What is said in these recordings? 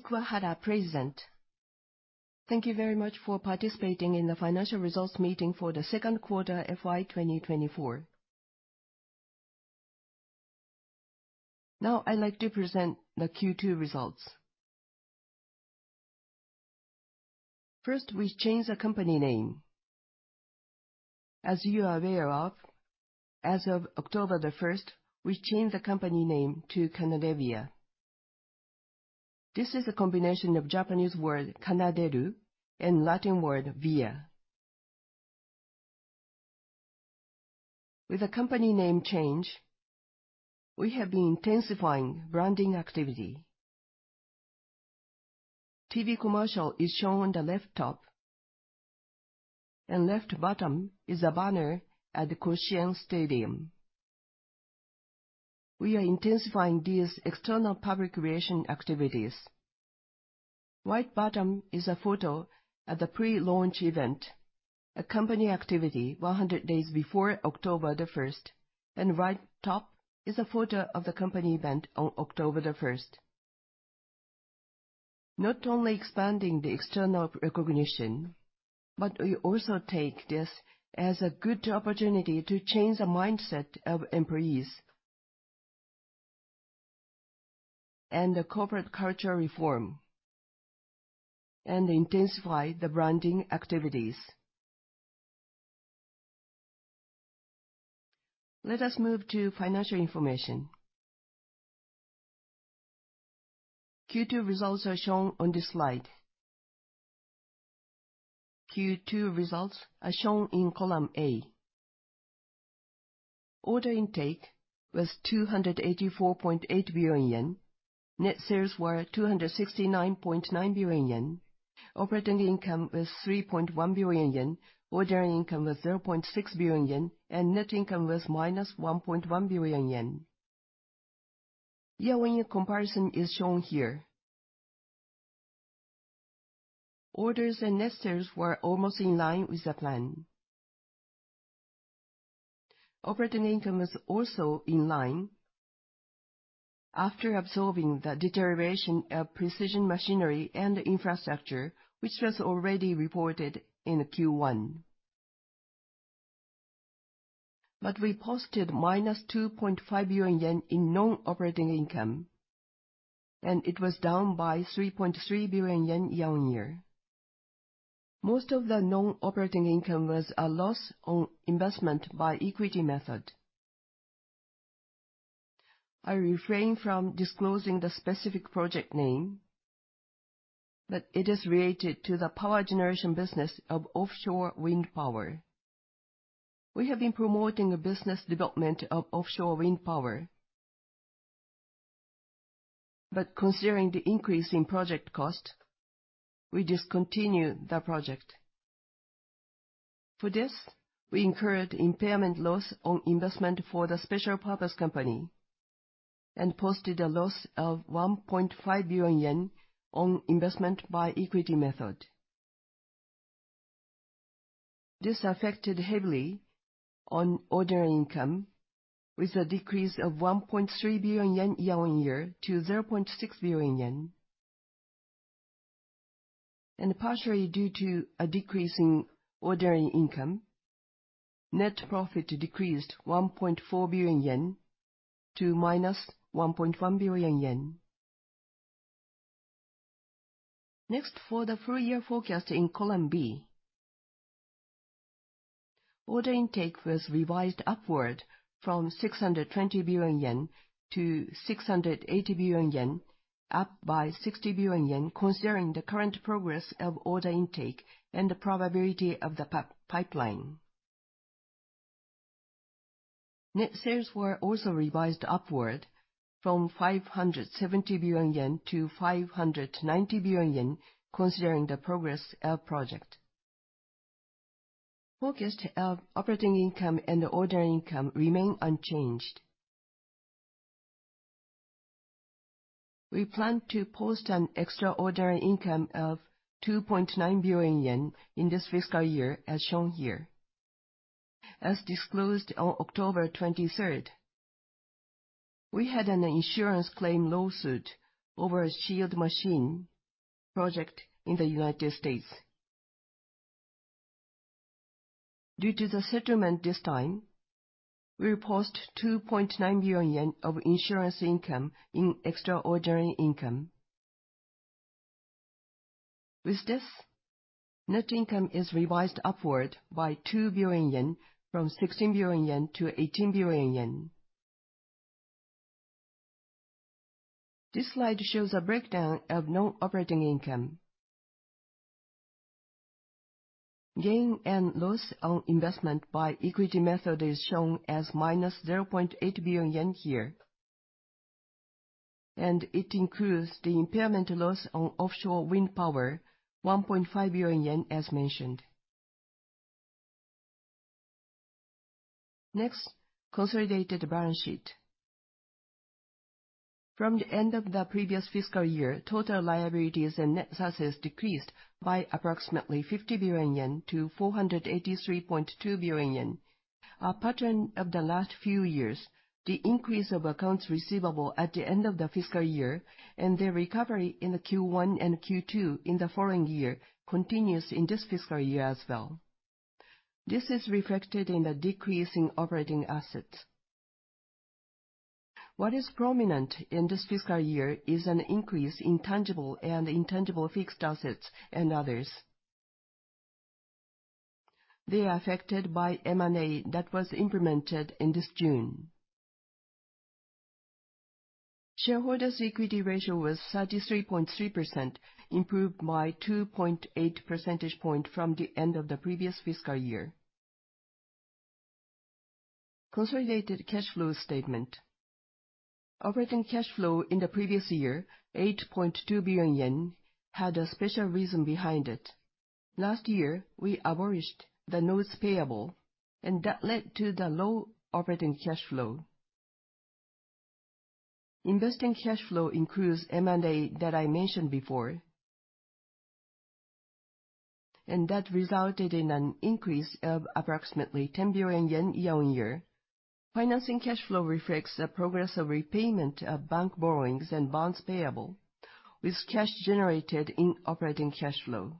Kuwahara, President. Thank you very much for participating in the financial results meeting for the second quarter of FY 2024. Now, I'd like to present the Q2 results. First, we changed the company name. As you are aware of, as of October the 1st, we changed the company name to Kanadevia. This is a combination of Japanese word "Kanaderu" and Latin word "Via." With the company name change, we have been intensifying branding activity. TV commercial is shown on the left top, and left bottom is a banner at the Koshien Stadium. We are intensifying these external public relations activities. Right bottom is a photo at the pre-launch event, a company activity 100 days before October the 1st, and right top is a photo of the company event on October the 1st. Not only expanding the external recognition, but we also take this as a good opportunity to change the mindset of employees and the corporate culture reform, and intensify the branding activities. Let us move to financial information. Q2 results are shown on this slide. Q2 results are shown in column A. Order intake was 284.8 billion yen, net sales were 269.9 billion yen, operating income was 3.1 billion yen, ordinary income was 0.6 billion yen, and net income was minus 1.1 billion yen. Year-on-year comparison is shown here. Orders and net sales were almost in line with the plan. Operating income was also in line after absorbing the deterioration of precision machinery and infrastructure, which was already reported in Q1. But we posted minus 2.5 billion yen in non-operating income, and it was down by 3.3 billion yen year on year. Most of the non-operating income was a loss on investment by equity method. I refrain from disclosing the specific project name, but it is related to the power generation business of offshore wind power. We have been promoting a business development of offshore wind power, but considering the increase in project cost, we discontinued the project. For this, we incurred impairment loss on investment for the special purpose company and posted a loss of 1.5 billion yen on investment by equity method. This affected heavily on ordinary income, with a decrease of 1.3 billion yen year on year to 0.6 billion yen, and partially due to a decrease in ordinary income, net profit decreased 1.4 billion yen to minus 1.1 billion yen. Next, for the full year forecast in column B, order intake was revised upward from 620 billion yen to 680 billion yen, up by 60 billion yen, considering the current progress of order intake and the probability of the pipeline. Net sales were also revised upward from 570 billion yen to 590 billion yen, considering the progress of project. Forecast of operating income and ordinary income remain unchanged. We plan to post an extraordinary income of 2.9 billion yen in this fiscal year, as shown here. As disclosed on October 23rd, we had an insurance claim lawsuit over a shield machine project in the United States. Due to the settlement this time, we post 2.9 billion yen of insurance income in extraordinary income. With this, net income is revised upward by 2 billion yen, from 16 billion yen to 18 billion yen. This slide shows a breakdown of non-operating income. Gain and loss on investment by equity method is shown as minus 0.8 billion yen here, and it includes the impairment loss on offshore wind power, 1.5 billion yen, as mentioned. Next, consolidated balance sheet. From the end of the previous fiscal year, total liabilities and net assets decreased by approximately 50 billion yen to 483.2 billion yen. A pattern of the last few years, the increase of accounts receivable at the end of the fiscal year and the recovery in Q1 and Q2 in the following year continues in this fiscal year as well. This is reflected in the decrease in operating assets. What is prominent in this fiscal year is an increase in tangible and intangible fixed assets and others. They are affected by M&A that was implemented in this June. Shareholders' equity ratio was 33.3%, improved by 2.8 percentage points from the end of the previous fiscal year. Consolidated cash flow statement. Operating cash flow in the previous year, 8.2 billion yen, had a special reason behind it. Last year, we abolished the notes payable, and that led to the low operating cash flow. Investing cash flow includes M&A that I mentioned before, and that resulted in an increase of approximately 10 billion yen year on year. Financing cash flow reflects the progress of repayment of bank borrowings and bonds payable, with cash generated in operating cash flow.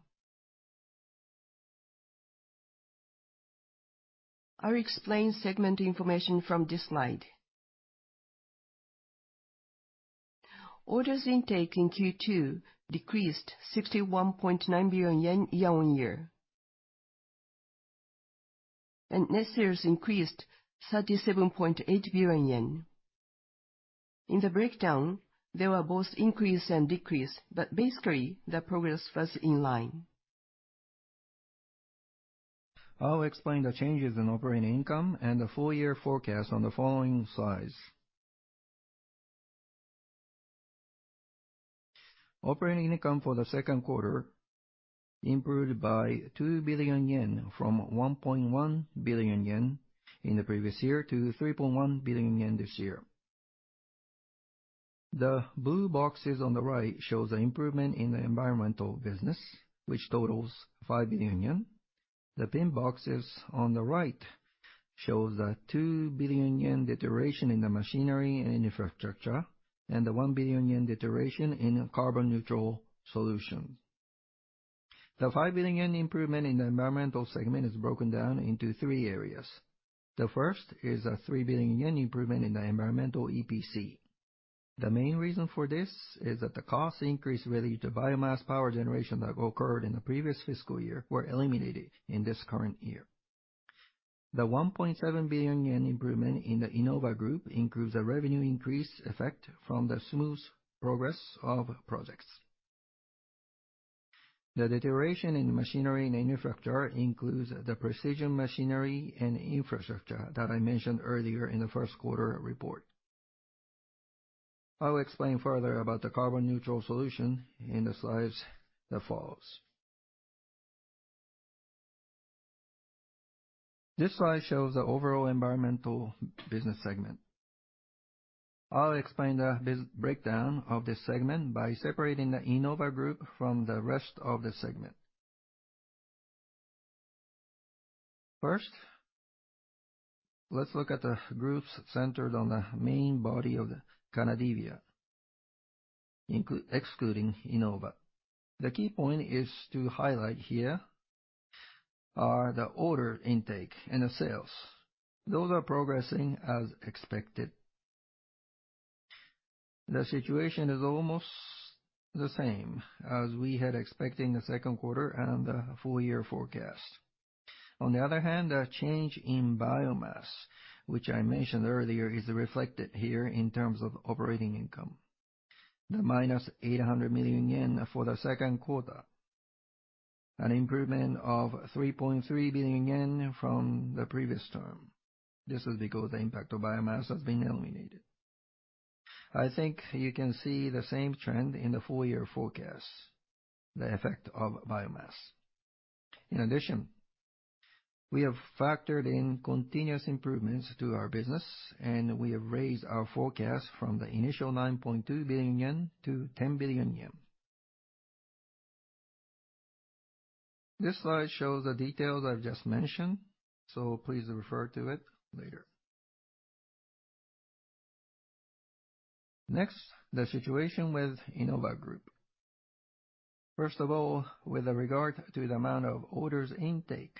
I'll explain segment information from this slide. Order intake in Q2 decreased JPY 61.9 billion year on year, and net sales increased 37.8 billion yen. In the breakdown, there were both increase and decrease, but basically, the progress was in line. I'll explain the changes in operating income and the full year forecast on the following slides. Operating income for the second quarter improved by 2 billion yen from 1.1 billion yen in the previous year to 3.1 billion yen this year. The blue boxes on the right show the improvement in the environmental business, which totals 5 billion yen. The pink boxes on the right show the 2 billion yen deterioration in the machinery and infrastructure, and the 1 billion yen deterioration in carbon neutral solutions. The 5 billion yen improvement in the environmental segment is broken down into three areas. The first is a 3 billion yen improvement in the environmental EPC. The main reason for this is that the cost increase related to biomass power generation that occurred in the previous fiscal year was eliminated in this current year. The 1.7 billion yen improvement in the Inova Group includes a revenue increase effect from the smooth progress of projects. The deterioration in machinery and infrastructure includes the precision machinery and infrastructure that I mentioned earlier in the first quarter report. I'll explain further about the carbon neutral solution in the slides that follows. This slide shows the overall environmental business segment. I'll explain the breakdown of this segment by separating the Inova Group from the rest of the segment. First, let's look at the groups centered on the main body of Kanadevia, excluding Inova. The key point to highlight here are the order intake and the sales. Those are progressing as expected. The situation is almost the same as we had expecting the second quarter and the full year forecast. On the other hand, the change in biomass, which I mentioned earlier, is reflected here in terms of operating income. The minus 800 million yen for the second quarter, an improvement of 3.3 billion yen from the previous term. This is because the impact of biomass has been eliminated. I think you can see the same trend in the full year forecast, the effect of biomass. In addition, we have factored in continuous improvements to our business, and we have raised our forecast from the initial 9.2 billion yen to 10 billion yen. This slide shows the details I've just mentioned, so please refer to it later. Next, the situation with Inova Group. First of all, with regard to the amount of order intake,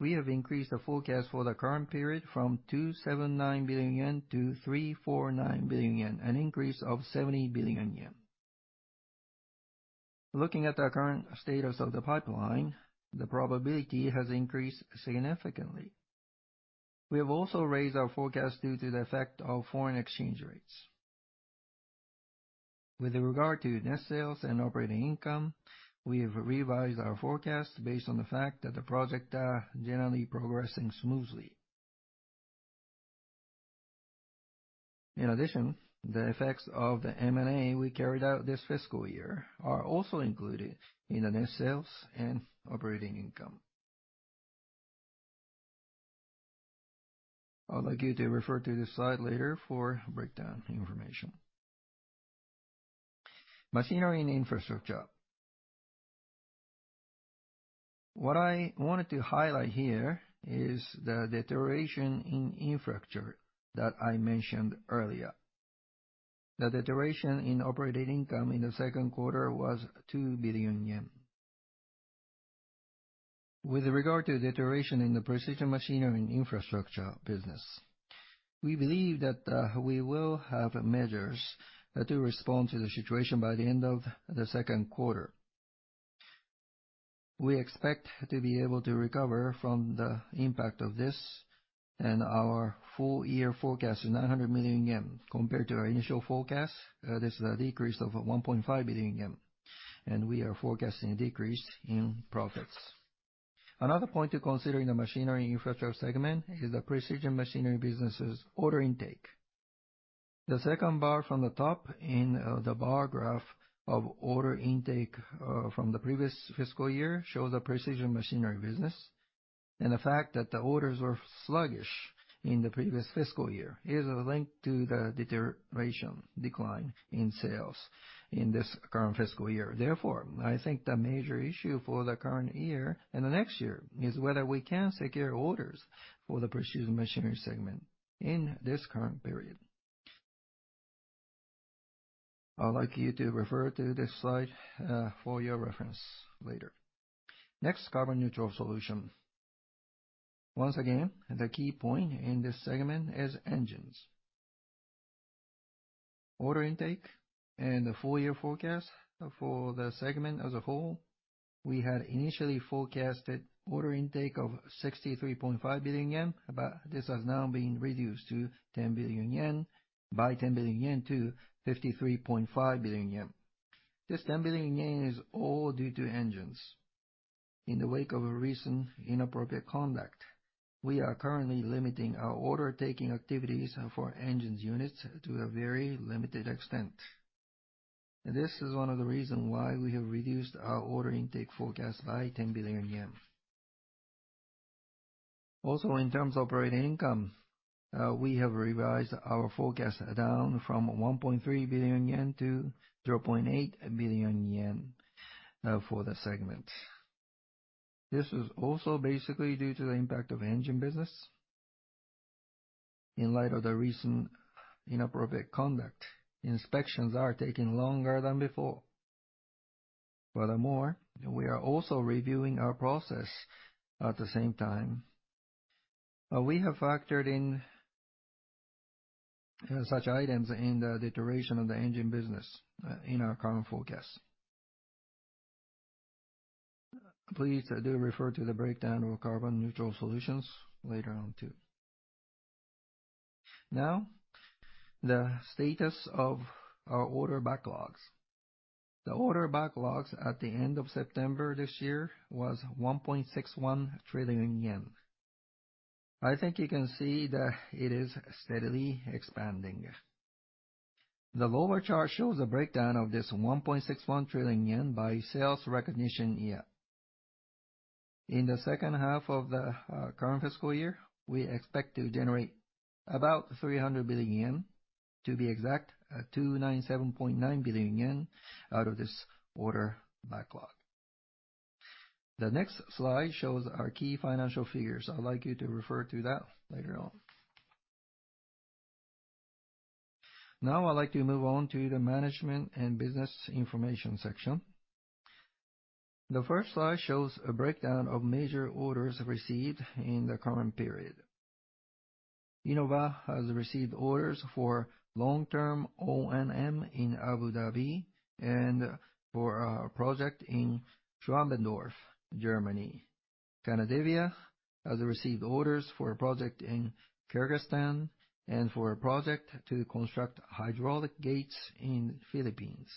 we have increased the forecast for the current period from 279 billion yen to 349 billion yen, an increase of 70 billion yen. Looking at the current status of the pipeline, the probability has increased significantly. We have also raised our forecast due to the effect of foreign exchange rates. With regard to net sales and operating income, we have revised our forecast based on the fact that the project is generally progressing smoothly. In addition, the effects of the M&A we carried out this fiscal year are also included in the net sales and operating income. I'd like you to refer to this slide later for breakdown information. Machinery and infrastructure. What I wanted to highlight here is the deterioration in infrastructure that I mentioned earlier. The deterioration in operating income in the second quarter was two billion yen. With regard to deterioration in the precision machinery and infrastructure business, we believe that we will have measures to respond to the situation by the end of the second quarter. We expect to be able to recover from the impact of this, and our full-year forecast is 900 million yen compared to our initial forecast. This is a decrease of 1.5 billion yen, and we are forecasting a decrease in profits. Another point to consider in the machinery and infrastructure segment is the precision machinery business's order intake. The second bar from the top in the bar graph of order intake from the previous fiscal year shows the precision machinery business, and the fact that the orders were sluggish in the previous fiscal year is linked to the deterioration in sales in this current fiscal year. Therefore, I think the major issue for the current year and the next year is whether we can secure orders for the precision machinery segment in this current period. I'd like you to refer to this slide for your reference later. Next, carbon neutral solution. Once again, the key point in this segment is engines. Order intake and the full year forecast for the segment as a whole. We had initially forecasted order intake of 63.5 billion yen, but this has now been reduced by 10 billion yen to 53.5 billion yen. This 10 billion is all due to engines. In the wake of recent inappropriate conduct, we are currently limiting our order-taking activities for engine units to a very limited extent. This is one of the reasons why we have reduced our order intake forecast by 10 billion yen. Also, in terms of operating income, we have revised our forecast down from 1.3 billion yen to 0.8 billion yen for the segment. This is also basically due to the impact of engine business. In light of the recent inappropriate conduct, inspections are taking longer than before. Furthermore, we are also reviewing our process at the same time. We have factored in such items in the deterioration of the engine business in our current forecast. Please do refer to the breakdown of carbon neutral solutions later on too. Now, the status of our order backlogs. The order backlogs at the end of September this year was 1.61 trillion yen. I think you can see that it is steadily expanding. The lower chart shows a breakdown of this 1.61 trillion yen by sales recognition year. In the second half of the current fiscal year, we expect to generate about 300 billion yen, to be exact, 297.9 billion yen out of this order backlog. The next slide shows our key financial figures. I'd like you to refer to that later on. Now, I'd like to move on to the management and business information section. The first slide shows a breakdown of major orders received in the current period. Inova has received orders for long-term O&M in Abu Dhabi and for a project in Schwandorf, Germany. Kanadevia has received orders for a project in Kyrgyzstan and for a project to construct hydraulic gates in the Philippines.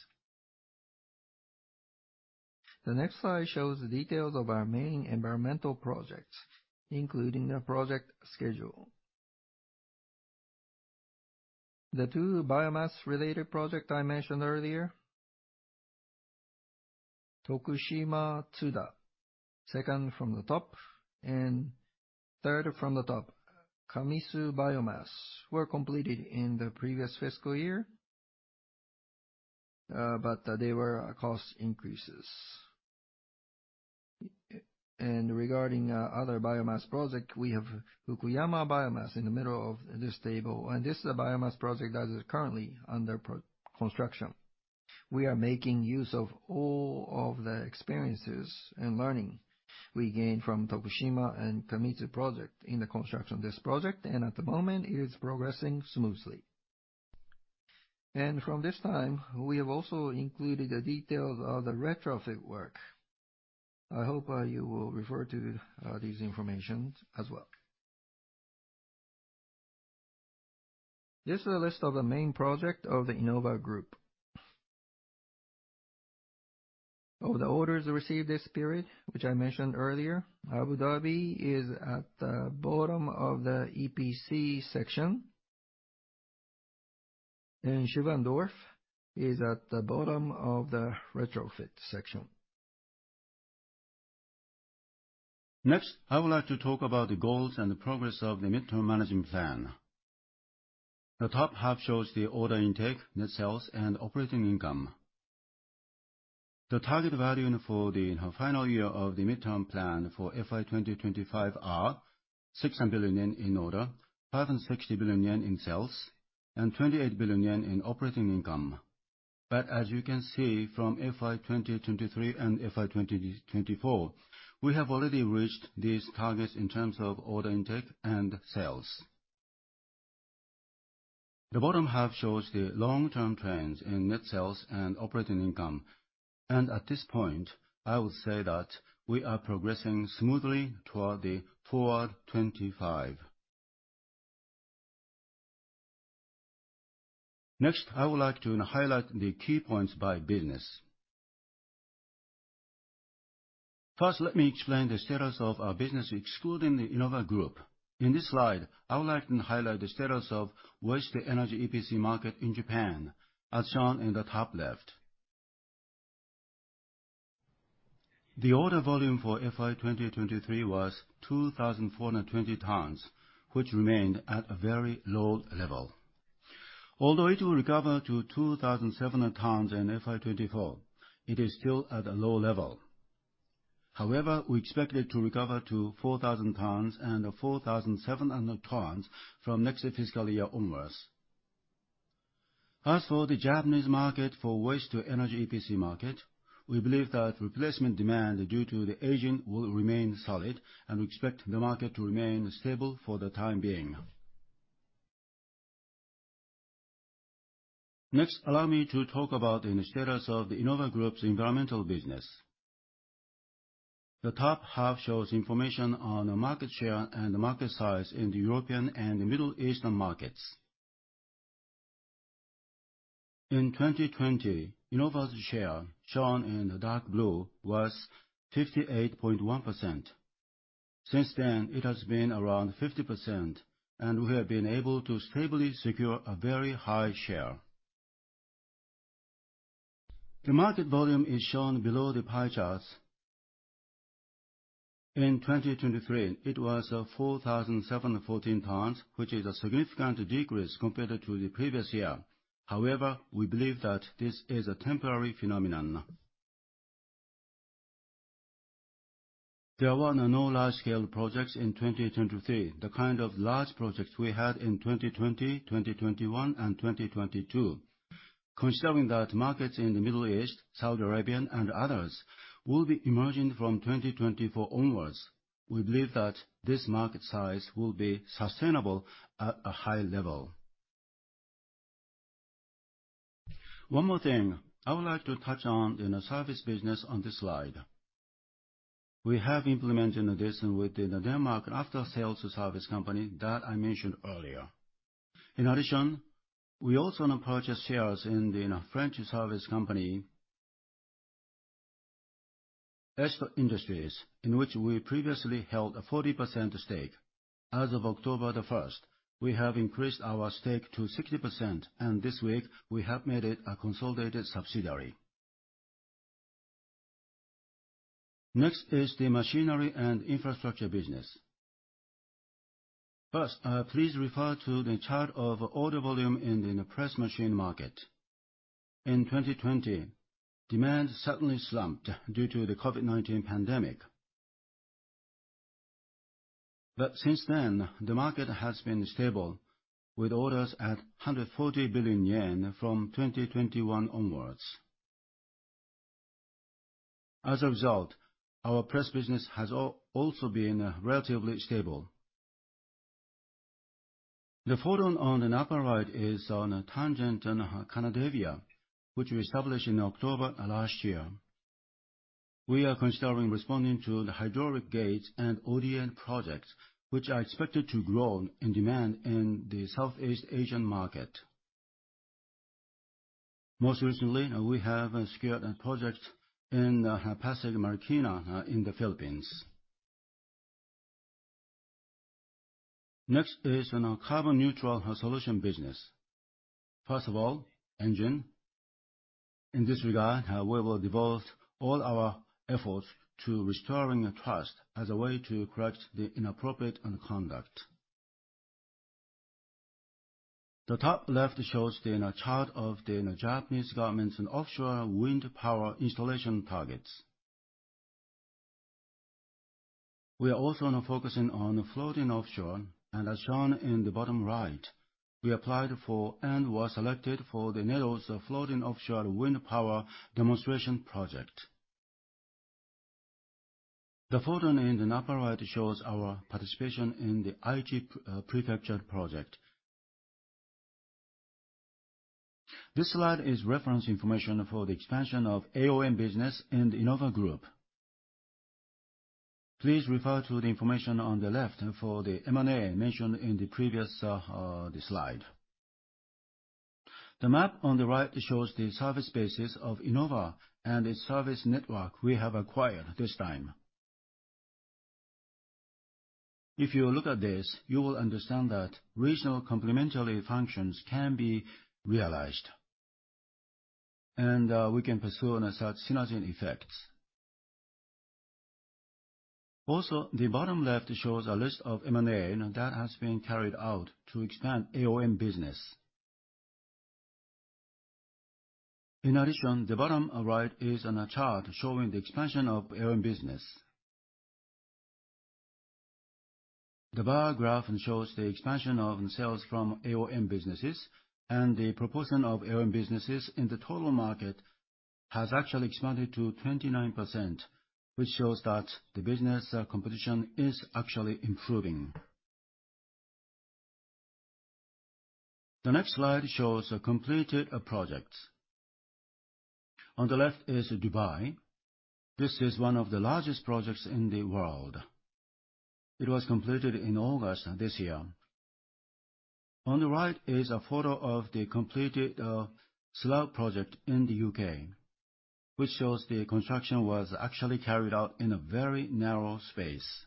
The next slide shows the details of our main environmental projects, including the project schedule. The two biomass-related projects I mentioned earlier, Tokushima Tsuda, second from the top, and third from the top, Kamisu Biomass, were completed in the previous fiscal year, but they were cost increases, and regarding other biomass projects, we have Fukuyama Biomass in the middle of this table, and this is a biomass project that is currently under construction. We are making use of all of the experiences and learning we gained from Tokushima and Kamisu projects in the construction of this project, and at the moment, it is progressing smoothly. From this time, we have also included the details of the retrofit work. I hope you will refer to these information as well. This is a list of the main projects of the Inova Group. Of the orders received this period, which I mentioned earlier, Abu Dhabi is at the bottom of the EPC section, and Schwandorf is at the bottom of the retrofit section. Next, I would like to talk about the goals and the progress of the midterm management plan. The top half shows the order intake, net sales, and operating income. The target value for the final year of the midterm plan for FY 2025 are 600 billion yen in order, 560 billion yen in sales, and 28 billion yen in operating income. But as you can see from FY 2023 and FY 2024, we have already reached these targets in terms of order intake and sales. The bottom half shows the long-term trends in net sales and operating income, and at this point, I would say that we are progressing smoothly toward the Forward 25. Next, I would like to highlight the key points by business. First, let me explain the status of our business excluding the Inova Group. In this slide, I would like to highlight the status of waste-to-energy EPC market in Japan, as shown in the top left. The order volume for FY 2023 was 2,420 tons, which remained at a very low level. Although it will recover to 2,700 tons in FY 2024, it is still at a low level. However, we expect it to recover to 4,000 tons and 4,700 tons from next fiscal year onwards. As for the Japanese market for waste-to-energy EPC market, we believe that replacement demand due to the aging will remain solid, and we expect the market to remain stable for the time being. Next, allow me to talk about the status of the Inova Group's environmental business. The top half shows information on market share and market size in the European and Middle Eastern markets. In 2020, Inova's share, shown in dark blue, was 58.1%. Since then, it has been around 50%, and we have been able to stably secure a very high share. The market volume is shown below the pie charts. In 2023, it was 4,714 tons, which is a significant decrease compared to the previous year. However, we believe that this is a temporary phenomenon. There were no large-scale projects in 2023, the kind of large projects we had in 2020, 2021, and 2022. Considering that markets in the Middle East, Saudi Arabia, and others will be emerging from 2024 onwards, we believe that this market size will be sustainable at a high level. One more thing I would like to touch on in the service business on this slide. We have implemented this with the Denmark after-sales service company that I mentioned earlier. In addition, we also purchased shares in the French service company, SMI, in which we previously held a 40% stake. As of October the 1st, we have increased our stake to 60%, and this week, we have made it a consolidated subsidiary. Next is the machinery and infrastructure business. First, please refer to the chart of order volume in the press machine market. In 2020, demand suddenly slumped due to the COVID-19 pandemic. But since then, the market has been stable, with orders at 140 billion yen from 2021 onwards. As a result, our press business has also been relatively stable. The photo on the upper right is on Sanoyas Kanadevia, which we established in October last year. We are considering responding to the hydraulic gates and ODA projects, which are expected to grow in demand in the Southeast Asian market. Most recently, we have secured a project in Pasig-Marikina in the Philippines. Next is a carbon neutral solution business. First of all, engine. In this regard, we will devote all our efforts to restoring trust as a way to correct the inappropriate conduct. The top left shows the chart of the Japanese government's offshore wind power installation targets. We are also focusing on floating offshore, and as shown in the bottom right, we applied for and were selected for the NEDO floating offshore wind power demonstration project. The photo in the upper right shows our participation in the Aichi Prefecture project. This slide is reference information for the expansion of AOM business in the Inova Group. Please refer to the information on the left for the M&A mentioned in the previous slide. The map on the right shows the service basis of Inova and its service network we have acquired this time. If you look at this, you will understand that regional complementary functions can be realized, and we can pursue such synergy effects. Also, the bottom left shows a list of M&A that has been carried out to expand AOM business. In addition, the bottom right is a chart showing the expansion of AOM business. The bar graph shows the expansion of sales from AOM businesses, and the proportion of AOM businesses in the total market has actually expanded to 29%, which shows that the business competition is actually improving. The next slide shows completed projects. On the left is Dubai. This is one of the largest projects in the world. It was completed in August this year. On the right is a photo of the completed Slough project in the U.K., which shows the construction was actually carried out in a very narrow space.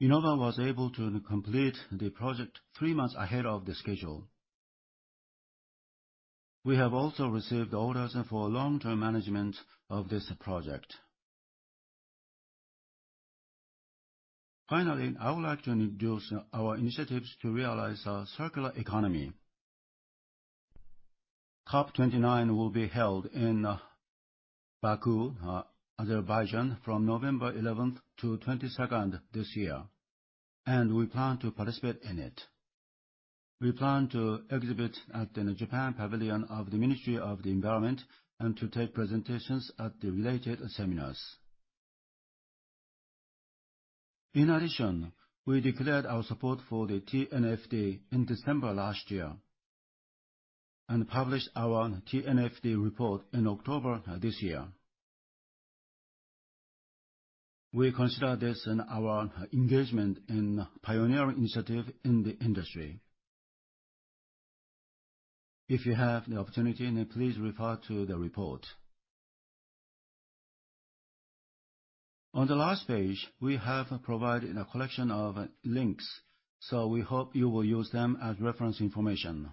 Inova was able to complete the project three months ahead of the schedule. We have also received orders for long-term management of this project. Finally, I would like to introduce our initiatives to realize a circular economy. COP29 will be held in Baku, Azerbaijan, from November 11th to 22nd this year, and we plan to participate in it. We plan to exhibit at the Japan Pavilion of the Ministry of the Environment and to take presentations at the related seminars. In addition, we declared our support for the TNFD in December last year and published our TNFD report in October this year. We consider this our engagement in pioneering initiatives in the industry. If you have the opportunity, please refer to the report. On the last page, we have provided a collection of links, so we hope you will use them as reference information.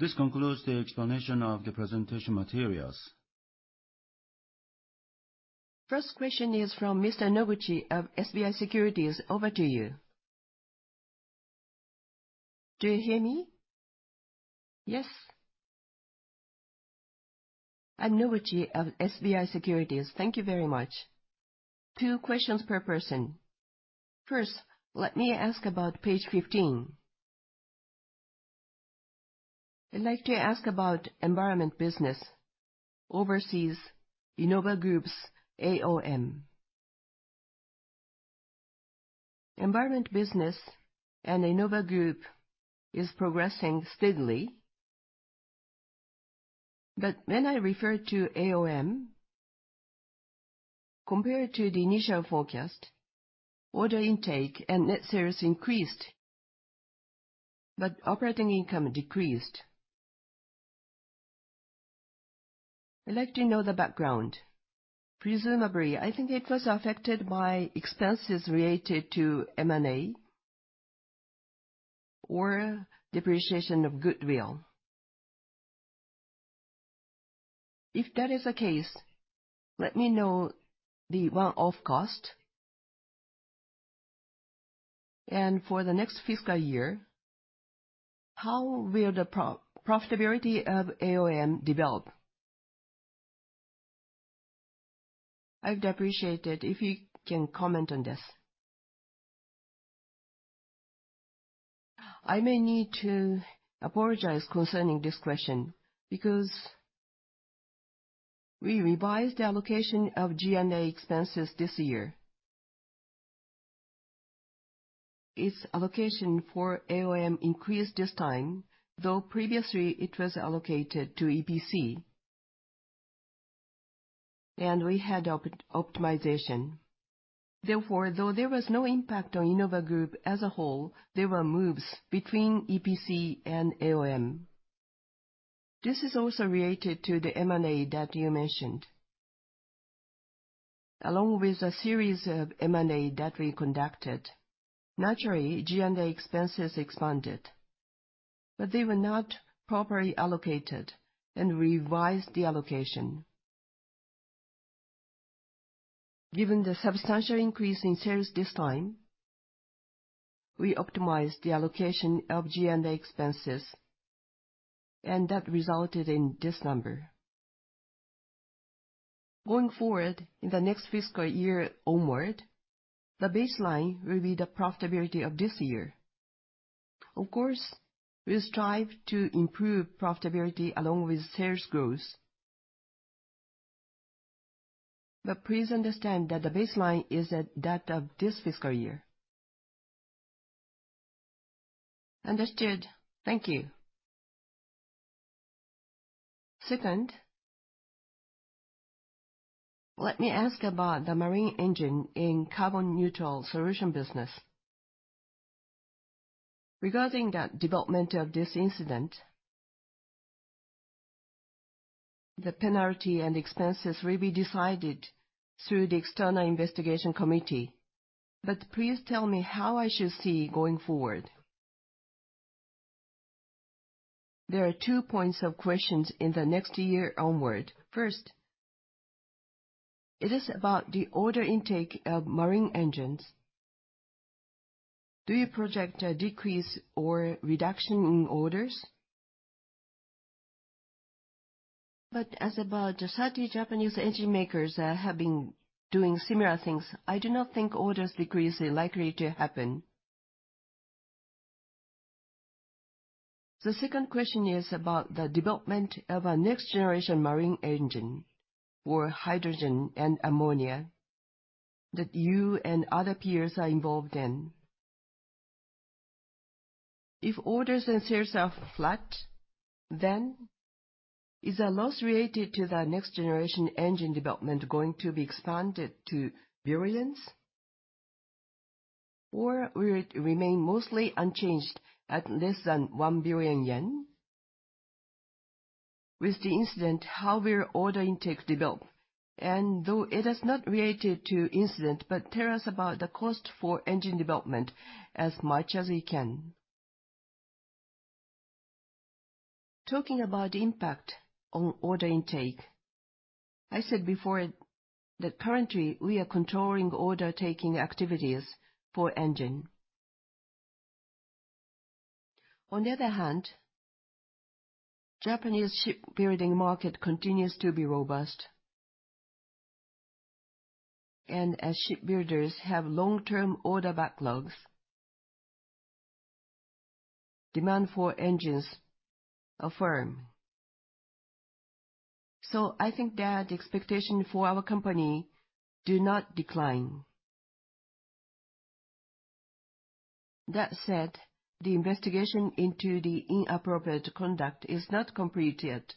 This concludes the explanation of the presentation materials. First question is from Mr. Noguchi of SBI Securities. Over to you. Do you hear me? Yes. I'm Noguchi of SBI Securities. Thank you very much. Two questions per person. First, let me ask about page 15. I'd like to ask about environment business overseas Inova Group's AOM. Environment business and Inova Group is progressing steadily, but when I refer to AOM, compared to the initial forecast, order intake and net sales increased, but operating income decreased. I'd like to know the background. Presumably, I think it was affected by expenses related to M&A or depreciation of goodwill. If that is the case, let me know the one-off cost. And for the next fiscal year, how will the profitability of AOM develop? I'd appreciate it if you can comment on this. I may need to apologize concerning this question because we revised the allocation of G&A expenses this year. Its allocation for AOM increased this time, though previously it was allocated to EPC, and we had optimization. Therefore, though there was no impact on Inova Group as a whole, there were moves between EPC and AOM. This is also related to the M&A that you mentioned, along with a series of M&A that we conducted. Naturally, G&A expenses expanded, but they were not properly allocated, and we revised the allocation. Given the substantial increase in sales this time, we optimized the allocation of G&A expenses, and that resulted in this number. Going forward, in the next fiscal year onward, the baseline will be the profitability of this year. Of course, we'll strive to improve profitability along with sales growth. But please understand that the baseline is at that of this fiscal year. Understood. Thank you. Second, let me ask about the marine engine in carbon neutral solution business. Regarding that development of this incident, the penalty and expenses will be decided through the External Investigation Committee, but please tell me how I should see going forward. There are two points of questions in the next year onward. First, it is about the order intake of marine engines. Do you project a decrease or reduction in orders? But what about the other Japanese engine makers that have been doing similar things? I do not think orders decrease is likely to happen. The second question is about the development of a next-generation marine engine for hydrogen and ammonia that you and other peers are involved in. If orders and sales are flat, then is the loss related to the next-generation engine development going to be expanded to billions, or will it remain mostly unchanged at less than one billion yen? With the incident, how will order intake develop? Though it is not related to the incident, but tell us about the cost for engine development as much as we can. Talking about the impact on order intake, I said before that currently we are controlling order-taking activities for engine. On the other hand, Japanese shipbuilding market continues to be robust, and as shipbuilders have long-term order backlogs, demand for engines affirms. So I think that expectations for our company do not decline. That said, the investigation into the inappropriate conduct is not complete yet,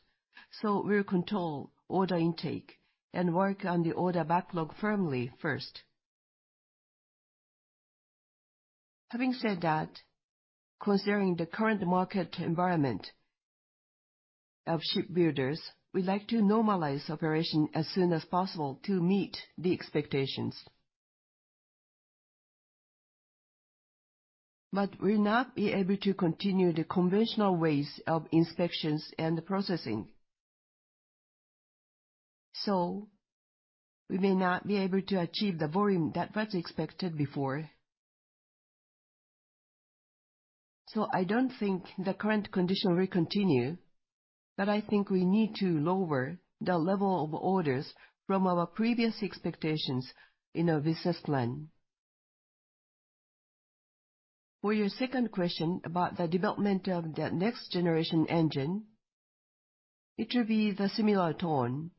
so we'll control order intake and work on the order backlog firmly first. Having said that, considering the current market environment of shipbuilders, we'd like to normalize operations as soon as possible to meet the expectations. But we'll not be able to continue the conventional ways of inspections and processing, so we may not be able to achieve the volume that was expected before. So I don't think the current conditions will continue, but I think we need to lower the level of orders from our previous expectations in a business plan. For your second question about the development of the next-generation engine, it will be the similar tone,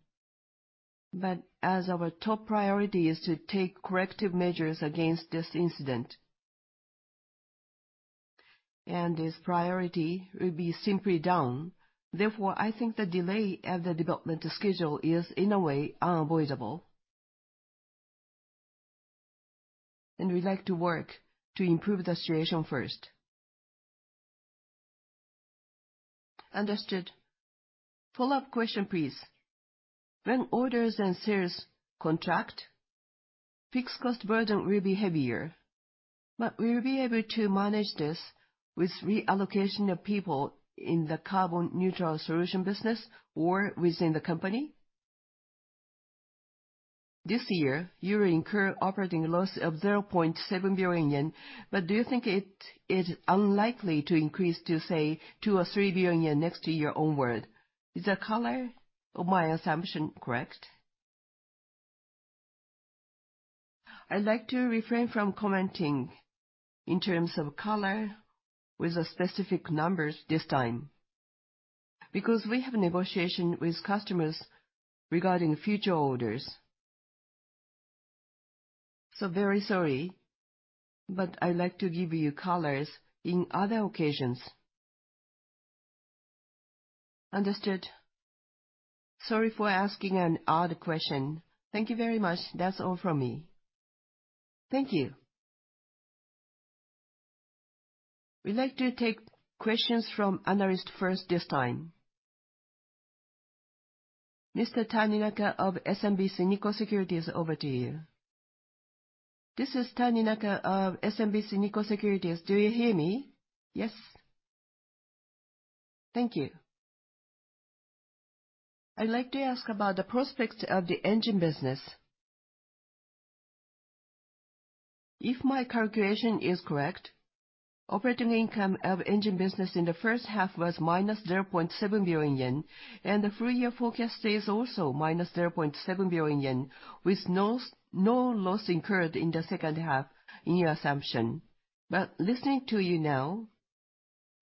but as our top priority is to take corrective measures against this incident, and this priority will be simply down. Therefore, I think the delay of the development schedule is, in a way, unavoidable, and we'd like to work to improve the situation first. Understood. Follow-up question, please. When orders and sales contract, fixed cost burden will be heavier, but we'll be able to manage this with reallocation of people in the carbon neutral solution business or within the company? This year, you will incur operating loss of 0.7 billion yen, but do you think it is unlikely to increase to, say, 2 billion or 3 billion yen next year onward? Is the color of my assumption correct? I'd like to refrain from commenting in terms of color with specific numbers this time because we have negotiations with customers regarding future orders. So very sorry, but I'd like to give you colors in other occasions. Understood. Sorry for asking an odd question. Thank you very much. That's all from me. Thank you. We'd like to take questions from analysts first this time. Mr. Taninaka of SMBC Nikko Securities, over to you. This is Taninaka of SMBC Nikko Securities. Do you hear me? Yes. Thank you. I'd like to ask about the prospects of the engine business. If my calculation is correct, operating income of engine business in the first half was minus 0.7 billion yen, and the three-year forecast is also minus 0.7 billion yen, with no loss incurred in the second half in your assumption. But listening to you now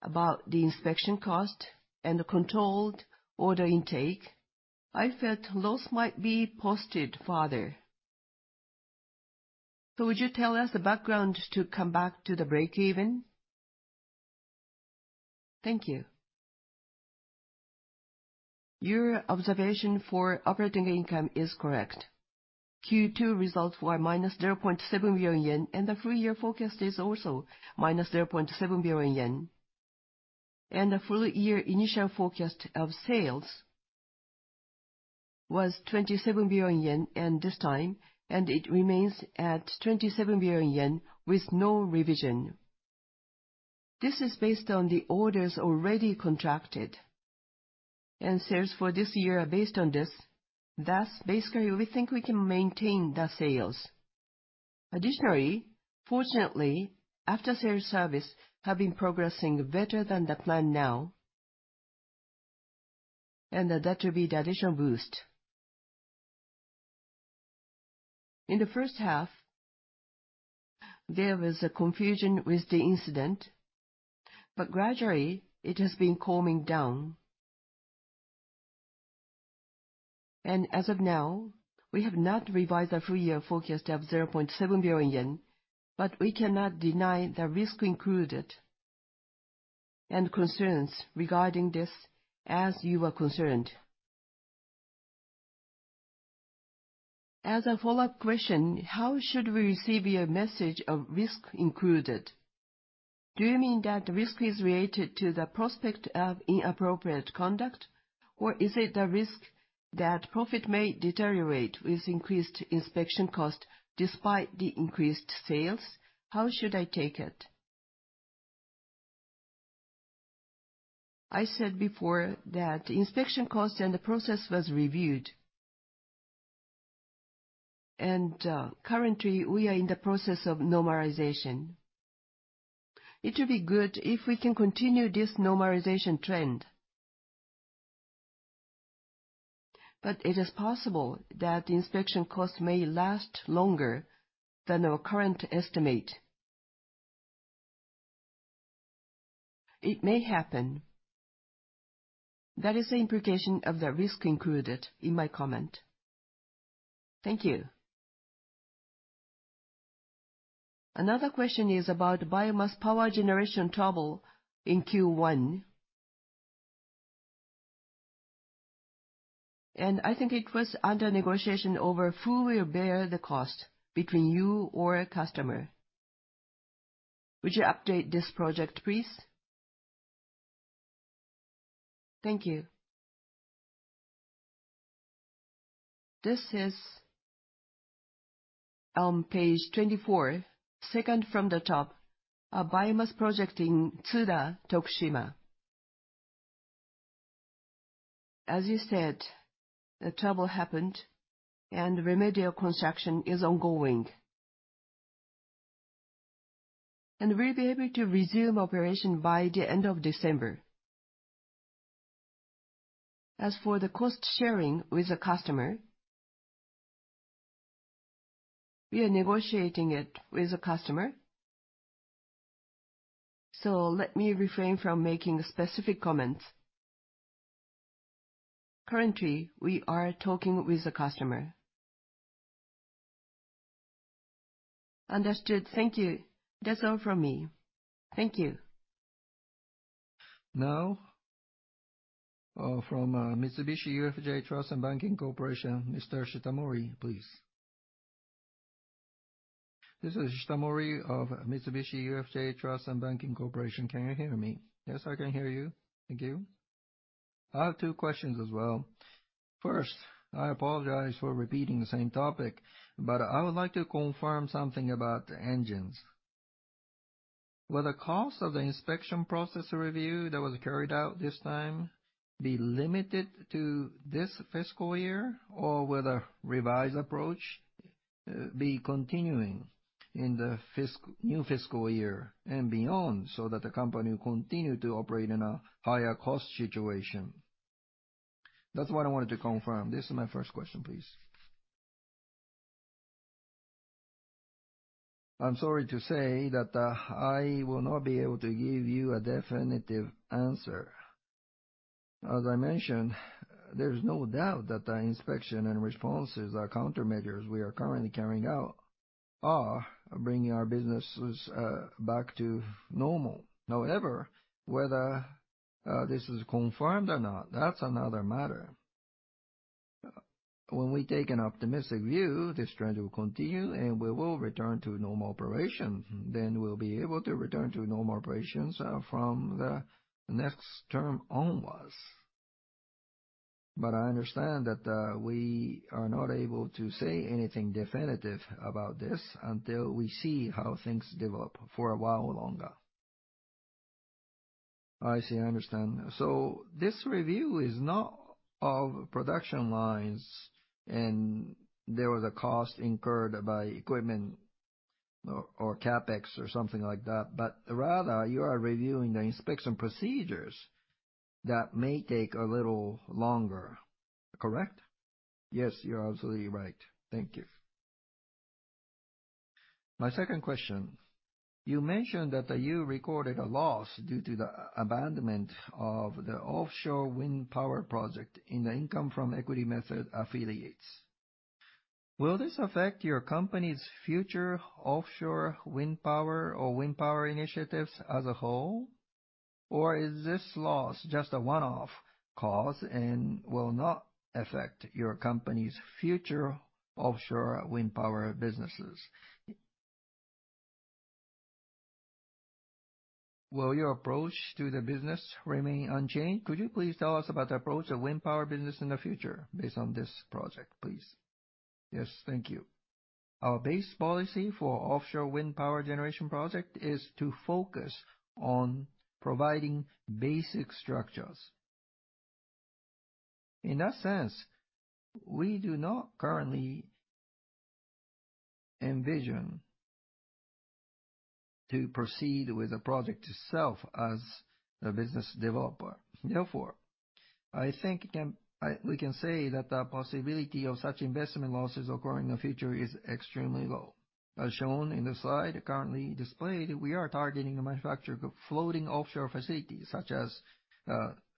about the inspection cost and the controlled order intake, I felt loss might be posted farther. So would you tell us the background to come back to the break-even? Thank you. Your observation for operating income is correct. Q2 results were minus 0.7 billion yen, and the three-year forecast is also minus 0.7 billion yen. And the full-year initial forecast of sales was 27 billion yen this time, and it remains at 27 billion yen with no revision. This is based on the orders already contracted, and sales for this year are based on this. Thus, basically, we think we can maintain the sales. Additionally, fortunately, after-sales service has been progressing better than the plan now, and that will be the additional boost. In the first half, there was confusion with the incident, but gradually, it has been calming down. And as of now, we have not revised the three-year forecast of 0.7 billion yen, but we cannot deny the risk included and concerns regarding this, as you were concerned. As a follow-up question, how should we receive your message of risk included? Do you mean that the risk is related to the prospect of inappropriate conduct, or is it the risk that profit may deteriorate with increased inspection cost despite the increased sales? How should I take it? I said before that the inspection cost and the process was reviewed, and currently, we are in the process of normalization. It will be good if we can continue this normalization trend, but it is possible that the inspection cost may last longer than our current estimate. It may happen. That is the implication of the risk included in my comment. Thank you. Another question is about biomass power generation trouble in Q1, and I think it was under negotiation over who will bear the cost between you or a customer. Would you update this project, please? Thank you. This is on page 24, second from the top, a biomass project in Tokushima Tsuda. As you said, the trouble happened, and remedial construction is ongoing, and we'll be able to resume operation by the end of December. As for the cost sharing with the customer, we are negotiating it with the customer, so let me refrain from making specific comments. Currently, we are talking with the customer. Understood. Thank you. That's all from me. Thank you. Now, from Mitsubishi UFJ Trust and Banking Corporation, Mr. Shitamori, please. This is Shitamori of Mitsubishi UFJ Trust and Banking Corporation. Can you hear me? Yes, I can hear you. Thank you. I have two questions as well. First, I apologize for repeating the same topic, but I would like to confirm something about the engines. Will the cost of the inspection process review that was carried out this time be limited to this fiscal year, or will the revised approach be continuing in the new fiscal year and beyond so that the company will continue to operate in a higher cost situation? That's what I wanted to confirm. This is my first question, please. I'm sorry to say that I will not be able to give you a definitive answer. As I mentioned, there's no doubt that the inspection and responses, the countermeasures we are currently carrying out, are bringing our businesses back to normal. However, whether this is confirmed or not, that's another matter. When we take an optimistic view, this trend will continue, and we will return to normal operations. Then we'll be able to return to normal operations from the next term onwards. But I understand that we are not able to say anything definitive about this until we see how things develop for a while longer. I see. I understand. So this review is not of production lines, and there was a cost incurred by equipment or CapEx or something like that, but rather, you are reviewing the inspection procedures that may take a little longer. Correct? Yes, you're absolutely right. Thank you. My second question. You mentioned that you recorded a loss due to the abandonment of the offshore wind power project in the income from equity method affiliates. Will this affect your company's future offshore wind power or wind power initiatives as a whole, or is this loss just a one-off cause and will not affect your company's future offshore wind power businesses? Will your approach to the business remain unchanged? Could you please tell us about the approach of wind power business in the future based on this project, please? Yes. Thank you. Our base policy for offshore wind power generation project is to focus on providing basic structures. In that sense, we do not currently envision to proceed with the project itself as a business developer. Therefore, I think we can say that the possibility of such investment losses occurring in the future is extremely low. As shown in the slide currently displayed, we are targeting the manufacture of floating offshore facilities, such as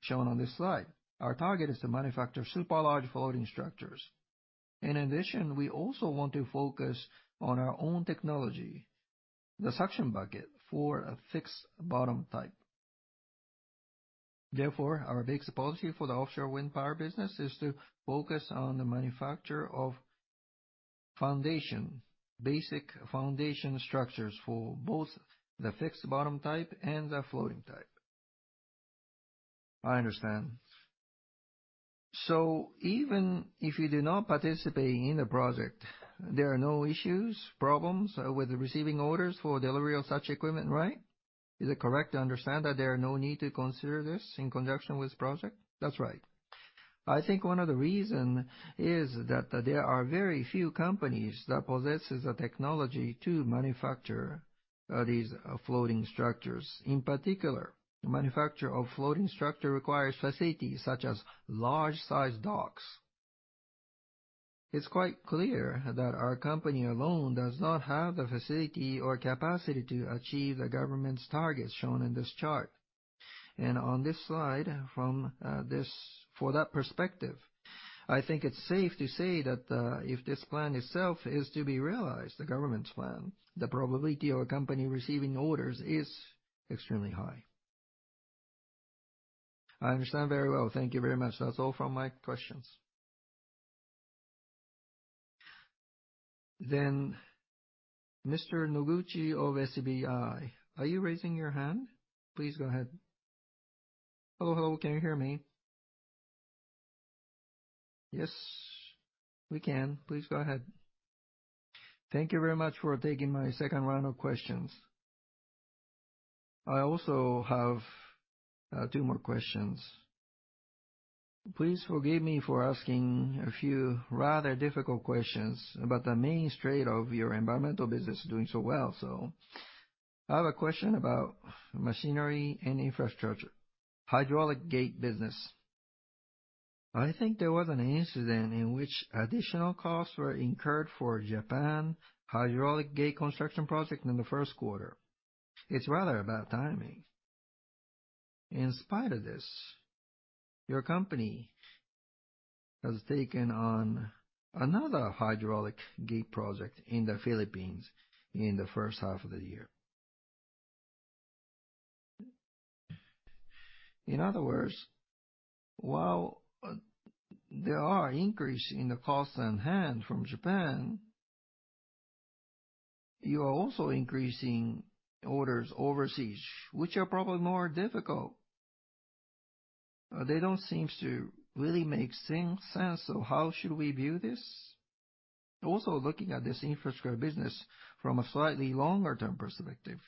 shown on this slide. Our target is to manufacture super-large floating structures. In addition, we also want to focus on our own technology, the suction bucket for a fixed bottom type. Therefore, our base policy for the offshore wind power business is to focus on the manufacture of basic foundation structures for both the fixed bottom type and the floating type. I understand. So even if you do not participate in the project, there are no issues, problems with receiving orders for delivery of such equipment, right? Is it correct to understand that there is no need to consider this in conjunction with the project? That's right. I think one of the reasons is that there are very few companies that possess the technology to manufacture these floating structures. In particular, the manufacture of floating structures requires facilities such as large-sized docks. It's quite clear that our company alone does not have the facility or capacity to achieve the government's targets shown in this chart. And on this slide, from this perspective, I think it's safe to say that if this plan itself is to be realized, the government's plan, the probability of a company receiving orders is extremely high. I understand very well. Thank you very much. That's all from my questions. Then, Mr. Noguchi of SBI, are you raising your hand? Please go ahead. Hello. Hello. Can you hear me? Yes, we can. Please go ahead. Thank you very much for taking my second round of questions. I also have two more questions. Please forgive me for asking a few rather difficult questions, but the mainstay of your environmental business is doing so well. So I have a question about machinery and infrastructure. Hydraulic gate business. I think there was an incident in which additional costs were incurred for Japan's hydraulic gate construction project in the first quarter. It's rather bad timing. In spite of this, your company has taken on another hydraulic gate project in the Philippines in the first half of the year. In other words, while there are increases in the costs on hand from Japan, you are also increasing orders overseas, which are probably more difficult. They don't seem to really make sense of how should we view this. Also, looking at this infrastructure business from a slightly longer-term perspective,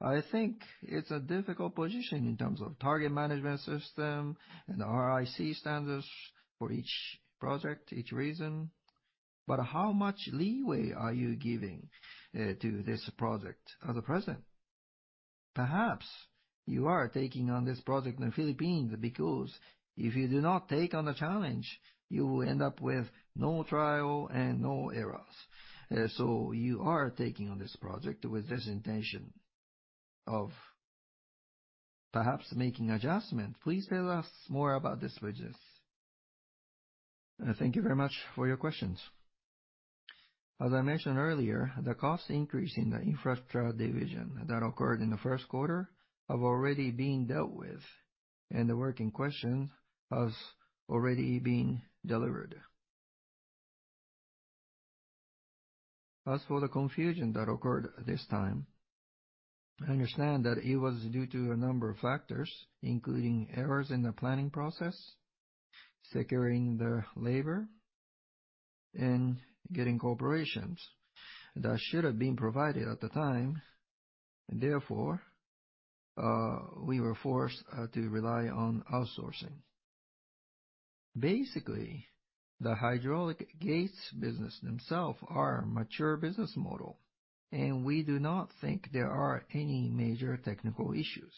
I think it's a difficult position in terms of target management system and ROIC standards for each project, each reason. But how much leeway are you giving to this project at present? Perhaps you are taking on this project in the Philippines because if you do not take on the challenge, you will end up with no trial and no errors. So you are taking on this project with this intention of perhaps making adjustments. Please tell us more about this business. Thank you very much for your questions. As I mentioned earlier, the cost increase in the infrastructure division that occurred in the first quarter has already been dealt with, and the work in question has already been delivered. As for the confusion that occurred this time, I understand that it was due to a number of factors, including errors in the planning process, securing the labor, and getting corporations that should have been provided at the time. Therefore, we were forced to rely on outsourcing. Basically, the hydraulic gates business themselves are a mature business model, and we do not think there are any major technical issues.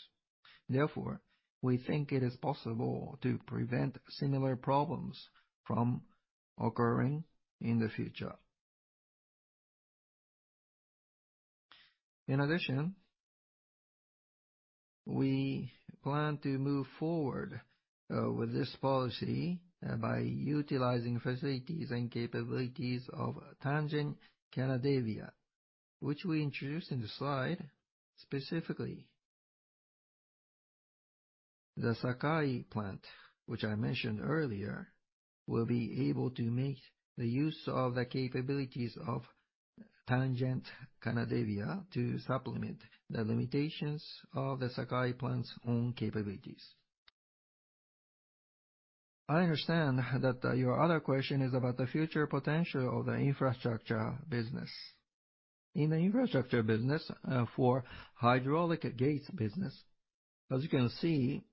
Therefore, we think it is possible to prevent similar problems from occurring in the future. In addition, we plan to move forward with this policy by utilizing facilities and capabilities of Sanoyas Kanadevia, which we introduced in the slide. Specifically, the Sakai plant, which I mentioned earlier, will be able to make the use of the capabilities of Sanoyas Kanadevia to supplement the limitations of the Sakai plant's own capabilities. I understand that your other question is about the future potential of the infrastructure business. In the infrastructure business for hydraulic gates business, as you can see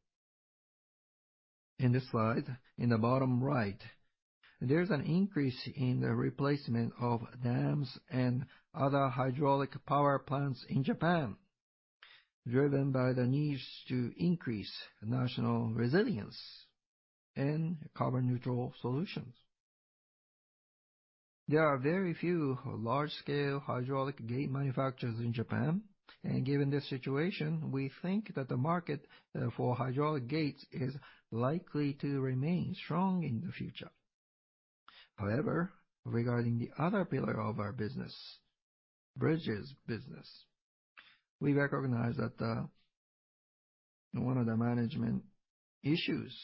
in this slide, in the bottom right, there's an increase in the replacement of dams and other hydraulic power plants in Japan, driven by the needs to increase national resilience and carbon-neutral solutions. There are very few large-scale hydraulic gate manufacturers in Japan, and given this situation, we think that the market for hydraulic gates is likely to remain strong in the future. However, regarding the other pillar of our business, bridges business, we recognize that one of the management issues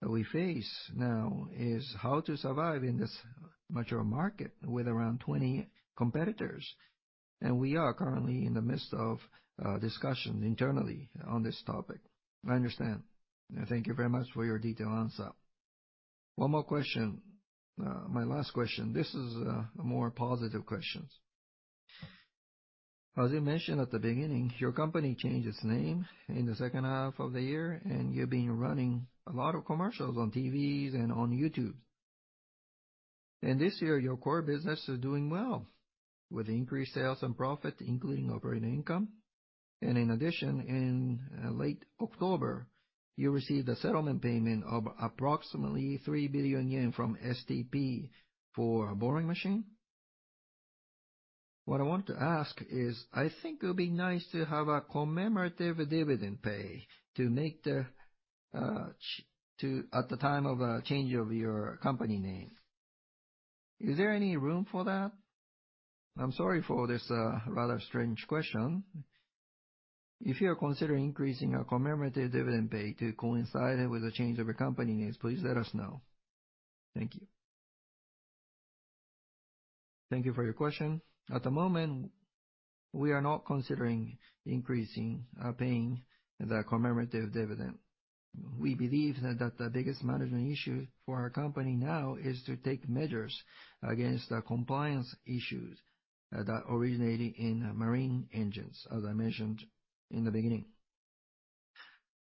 that we face now is how to survive in this mature market with around 20 competitors, and we are currently in the midst of discussions internally on this topic. I understand. Thank you very much for your detailed answer. One more question. My last question. This is a more positive question. As you mentioned at the beginning, your company changed its name in the second half of the year, and you've been running a lot of commercials on TVs and on YouTube. And this year, your core business is doing well with increased sales and profit, including operating income. And in addition, in late October, you received a settlement payment of approximately 3 billion yen from STP for a boring machine. What I wanted to ask is, I think it would be nice to have a commemorative dividend pay to make the at the time of a change of your company name. Is there any room for that? I'm sorry for this rather strange question. If you are considering increasing a commemorative dividend pay to coincide with the change of your company name, please let us know. Thank you. Thank you for your question. At the moment, we are not considering increasing paying the commemorative dividend. We believe that the biggest management issue for our company now is to take measures against the compliance issues that originated in marine engines, as I mentioned in the beginning.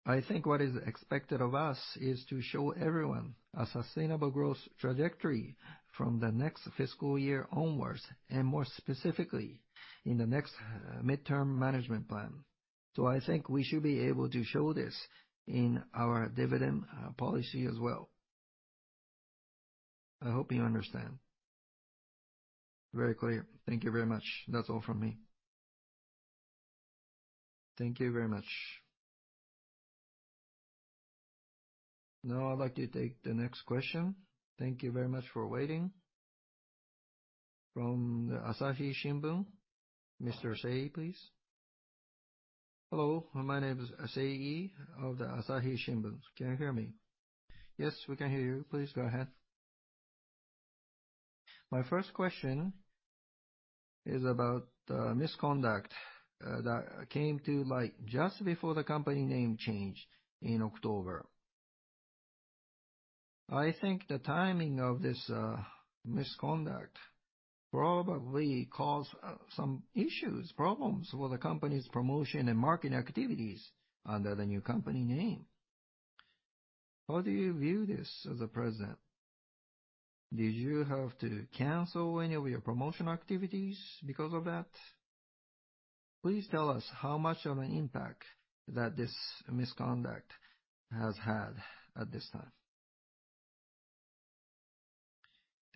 I think what is expected of us is to show everyone a sustainable growth trajectory from the next fiscal year onwards and more specifically in the next midterm management plan. So I think we should be able to show this in our dividend policy as well. I hope you understand. Very clear. Thank you very much. That's all from me. Thank you very much. Now, I'd like to take the next question. Thank you very much for waiting. From the Asahi Shimbun, Mr. Sei, please. Hello. My name is Sei of the Asahi Shimbun. Can you hear me? Yes, we can hear you. Please go ahead. My first question is about the misconduct that came to light just before the company name change in October. I think the timing of this misconduct probably caused some issues, problems for the company's promotion and marketing activities under the new company name. How do you view this at present? Did you have to cancel any of your promotional activities because of that? Please tell us how much of an impact that this misconduct has had at this time.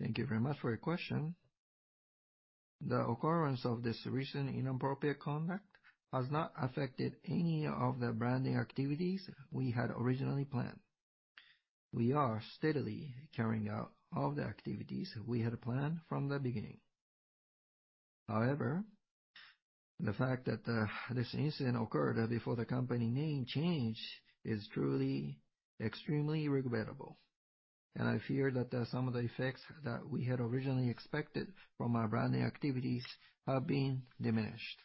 Thank you very much for your question. The occurrence of this recent inappropriate conduct has not affected any of the branding activities we had originally planned. We are steadily carrying out all the activities we had planned from the beginning. However, the fact that this incident occurred before the company name change is truly extremely regrettable. I fear that some of the effects that we had originally expected from our branding activities have been diminished.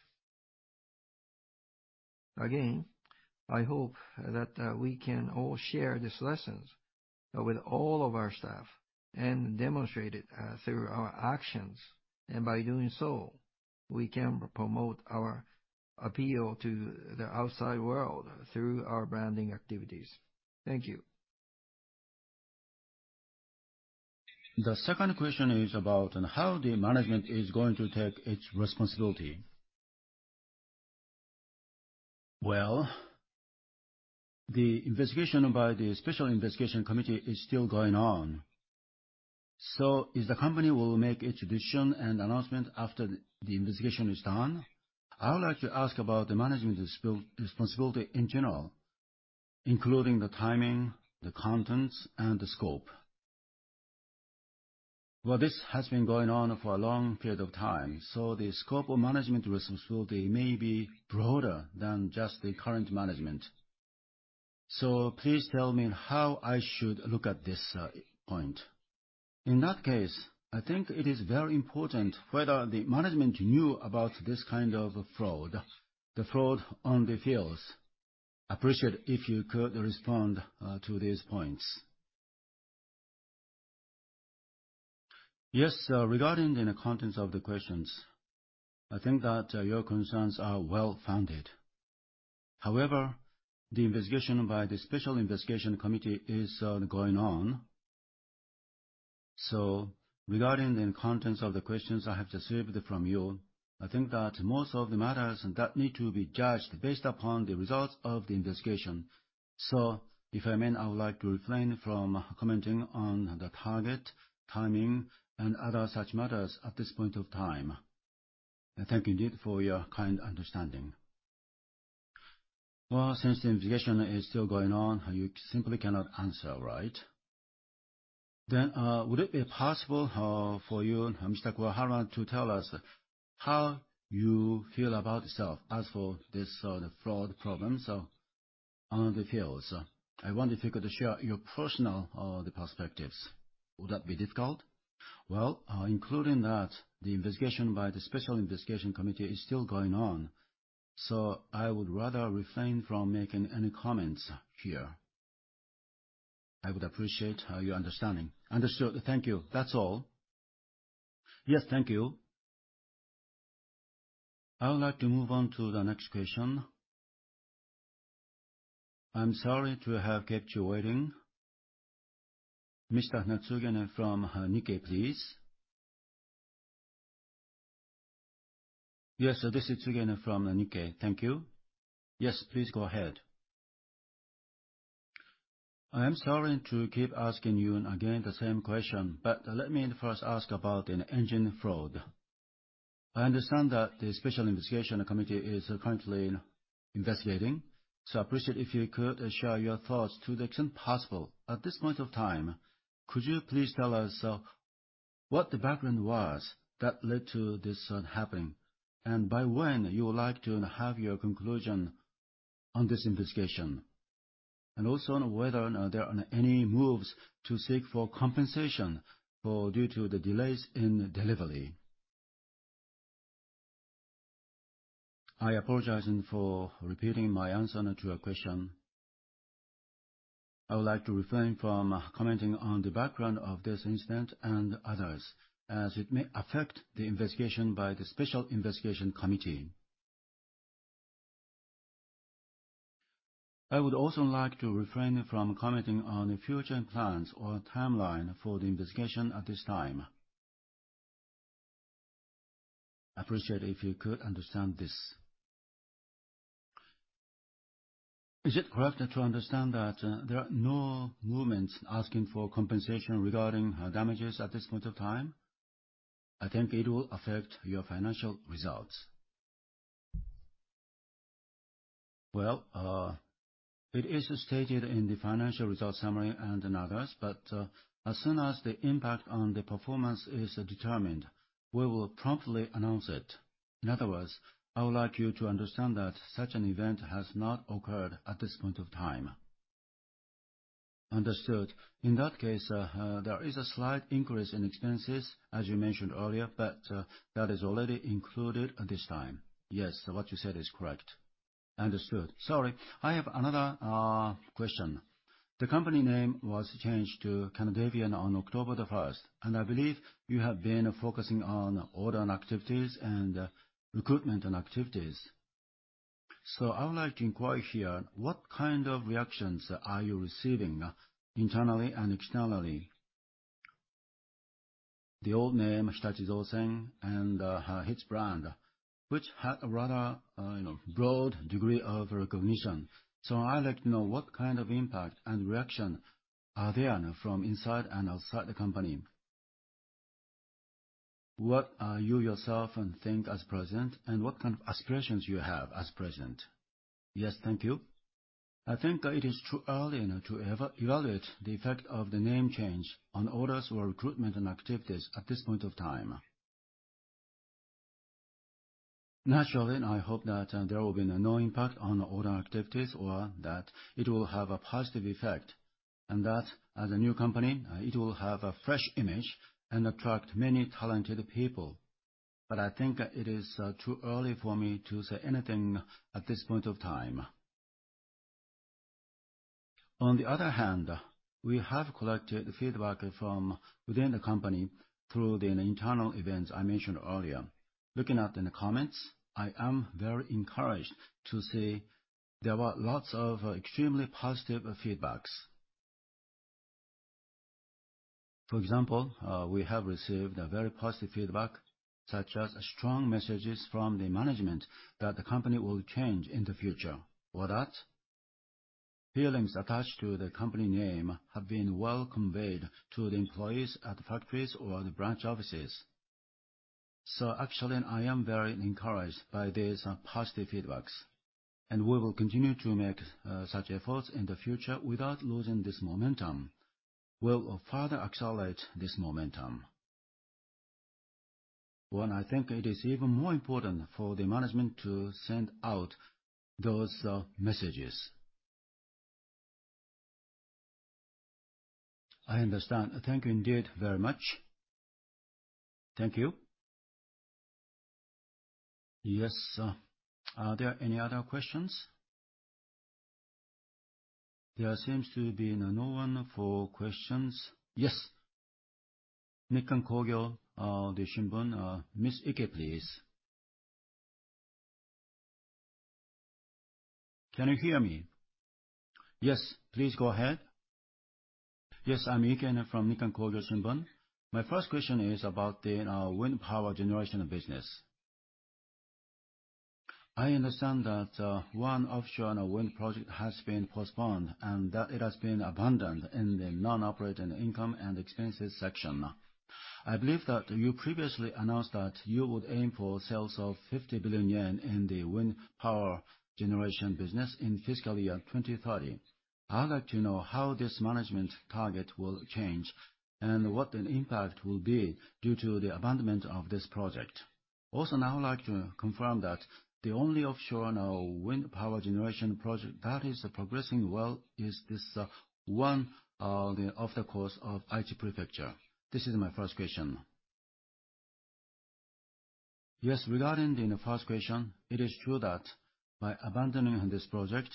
Again, I hope that we can all share these lessons with all of our staff and demonstrate it through our actions. By doing so, we can promote our appeal to the outside world through our branding activities. Thank you. The second question is about how the management is going to take its responsibility. The investigation by the Special Investigation Committee is still going on. Is the company will make its decision and announcement after the investigation is done? I would like to ask about the management's responsibility in general, including the timing, the contents, and the scope. This has been going on for a long period of time. The scope of management responsibility may be broader than just the current management. So please tell me how I should look at this point. In that case, I think it is very important whether the management knew about this kind of fraud, the fraud on the fields. I appreciate if you could respond to these points. Yes, regarding the contents of the questions, I think that your concerns are well-founded. However, the investigation by the Special Investigation Committee is going on. So regarding the contents of the questions I have received from you, I think that most of the matters that need to be judged based upon the results of the investigation. So if I may, I would like to refrain from commenting on the target, timing, and other such matters at this point of time. I thank you indeed for your kind understanding. Well, since the investigation is still going on, you simply cannot answer, right? Then, would it be possible for you, Mr. Kuwahara, to tell us how you feel about yourself as for this fraud problem on the fields? I wonder if you could share your personal perspectives. Would that be difficult? Well, including that the investigation by the Special Investigation Committee is still going on, so I would rather refrain from making any comments here. I would appreciate your understanding. Understood. Thank you. That's all. Yes, thank you. I would like to move on to the next question. I'm sorry to have kept you waiting. Mr. Tsugane from Nikkei, please. Yes, this is Tsugane from Nikkei. Thank you. Yes, please go ahead. I am sorry to keep asking you again the same question, but let me first ask about an engine fraud. I understand that the Special Investigation Committee is currently investigating, so I appreciate if you could share your thoughts to the extent possible. At this point of time, could you please tell us what the background was that led to this happening, and by when you would like to have your conclusion on this investigation, and also whether there are any moves to seek compensation due to the delays in delivery? I apologize for repeating my answer to your question. I would like to refrain from commenting on the background of this incident and others as it may affect the investigation by the Special Investigation Committee. I would also like to refrain from commenting on future plans or timeline for the investigation at this time. I appreciate if you could understand this. Is it correct to understand that there are no movements asking for compensation regarding damages at this point of time? I think it will affect your financial results. Well, it is stated in the financial results summary and in others, but as soon as the impact on the performance is determined, we will promptly announce it. In other words, I would like you to understand that such an event has not occurred at this point of time. Understood. In that case, there is a slight increase in expenses, as you mentioned earlier, but that is already included at this time. Yes, what you said is correct. Understood. Sorry, I have another question. The company name was changed to Kanadevia on October the 1st, and I believe you have been focusing on order and activities and recruitment and activities. I would like to inquire here, what kind of reactions are you receiving internally and externally? The old name, Hitachi Zosen, and its brand, which had a rather broad degree of recognition. I'd like to know what kind of impact and reaction are there from inside and outside the company. What do you yourself think as president, and what kind of aspirations do you have as president? Yes, thank you. I think it is too early to evaluate the effect of the name change on orders or recruitment and activities at this point of time. Naturally, I hope that there will be no impact on order activities or that it will have a positive effect, and that as a new company, it will have a fresh image and attract many talented people. But I think it is too early for me to say anything at this point of time. On the other hand, we have collected feedback from within the company through the internal events I mentioned earlier. Looking at the comments, I am very encouraged to see there were lots of extremely positive feedbacks. For example, we have received very positive feedback, such as strong messages from the management that the company will change in the future. Or that feelings attached to the company name have been well conveyed to the employees at the factories or the branch offices. So actually, I am very encouraged by these positive feedbacks, and we will continue to make such efforts in the future without losing this momentum. We'll further accelerate this momentum. Well, I think it is even more important for the management to send out those messages. I understand. Thank you indeed very much. Thank you. Yes. Are there any other questions? There seems to be no one for questions. Yes. Nikkan Kogyo Shimbun, Ms. Ike, please. Can you hear me? Yes, please go ahead. Yes, I'm Ike from Nikkan Kogyo Shimbun. My first question is about the wind power generation business. I understand that one offshore wind project has been postponed and that it has been abandoned in the non-operating income and expenses section. I believe that you previously announced that you would aim for sales of 50 billion yen in the wind power generation business in fiscal year 2030. I'd like to know how this management target will change and what the impact will be due to the abandonment of this project. Also, I'd like to confirm that the only offshore wind power generation project that is progressing well is this one off the coast of Aichi Prefecture. This is my first question. Yes, regarding the first question, it is true that by abandoning this project,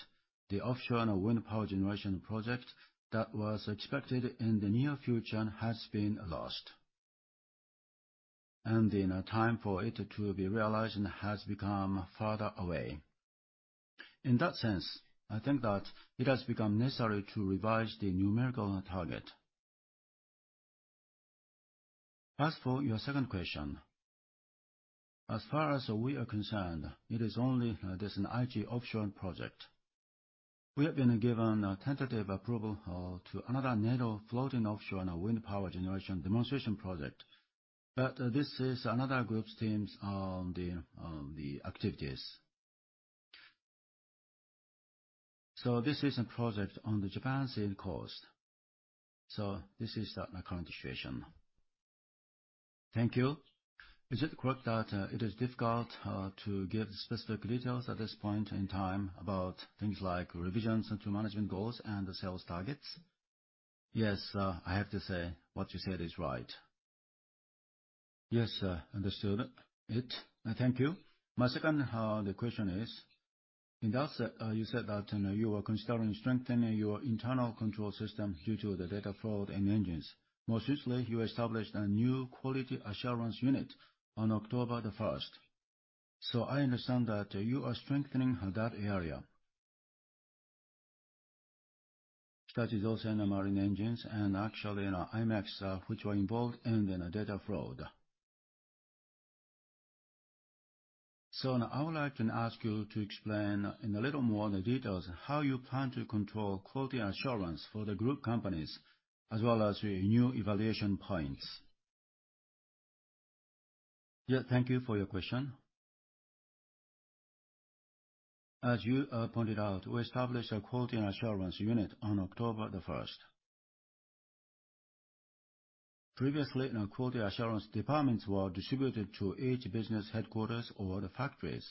the offshore wind power generation project that was expected in the near future has been lost, and the time for it to be realized has become further away. In that sense, I think that it has become necessary to revise the numerical target. As for your second question, as far as we are concerned, it is only this Aichi offshore project. We have been given a tentative approval to another NEDO floating offshore wind power generation demonstration project, but this is another group's team's activities. So this is a project on the Japan Sea coast. So this is the current situation. Thank you. Is it correct that it is difficult to give specific details at this point in time about things like revisions to management goals and sales targets? Yes, I have to say what you said is right. Yes, understood it. Thank you. My second question is, in that, you said that you were considering strengthening your internal control system due to the data fraud in engines. More recently, you established a new quality assurance unit on October the 1st. So I understand that you are strengthening that area. That is also in marine engines and actually in IMEX, which were involved in the data fraud. So now I would like to ask you to explain in a little more detail how you plan to control quality assurance for the group companies as well as your new evaluation points. Yes, thank you for your question. As you pointed out, we established a quality assurance unit on October the 1st. Previously, quality assurance departments were distributed to each business headquarters or the factories,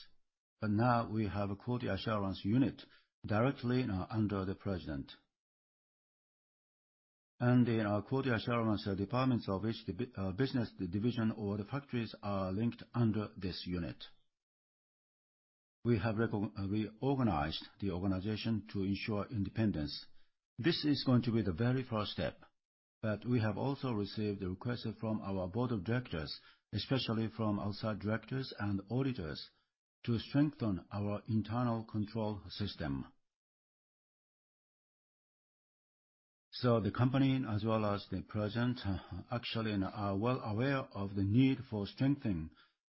but now we have a quality assurance unit directly under the president, and the quality assurance departments of each business division or the factories are linked under this unit. We have reorganized the organization to ensure independence. This is going to be the very first step, but we have also received requests from our board of directors, especially from outside directors and auditors, to strengthen our internal control system, so the company, as well as the president, actually are well aware of the need for strengthening,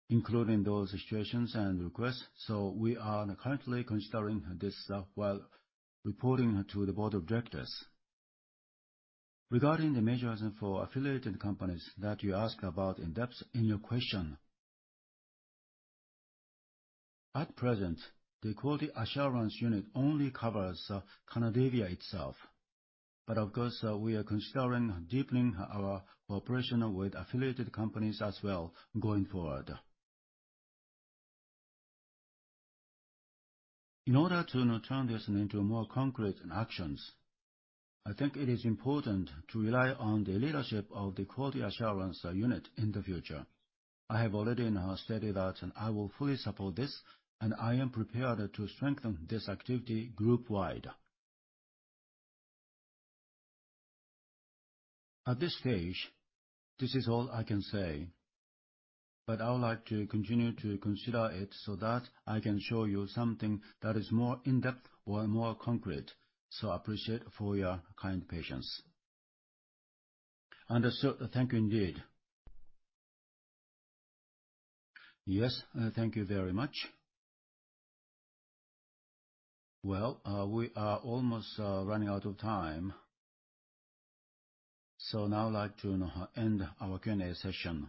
including those situations and requests, so we are currently considering this while reporting to the board of directors. Regarding the measures for affiliated companies that you asked about in depth in your question, at present, the quality assurance unit only covers Kanadevia itself, but of course, we are considering deepening our cooperation with affiliated companies as well going forward. In order to turn this into more concrete actions, I think it is important to rely on the leadership of the quality assurance unit in the future. I have already stated that I will fully support this, and I am prepared to strengthen this activity group-wide. At this stage, this is all I can say, but I would like to continue to consider it so that I can show you something that is more in-depth or more concrete. So I appreciate for your kind patience. Understood. Thank you indeed. Yes, thank you very much. We are almost running out of time, so now I'd like to end our Q&A session.